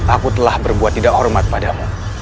aku telah berbuat tidak hormat padamu